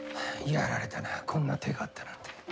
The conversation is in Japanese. やられたなこんな手があったなんて。